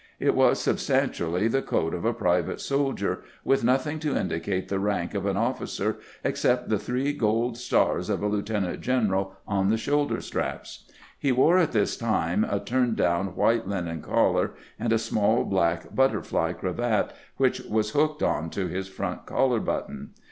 It was substantially the coat of a pri vate soldier, with nothing to indicate the rank of an officer except the three gold stars of a lieutenant general on the shoulder straps. He wore at this time a turn down white linen collar and a small, black "butterfly" cravat, which was hooked on to his front collar button.